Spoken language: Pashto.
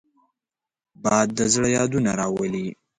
باد د زړه یادونه راولي